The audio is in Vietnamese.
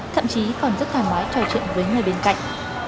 thậm chí còn rất thoải mái trò chuyện với người bên cạnh